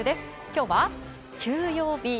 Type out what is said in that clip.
今日は休養日。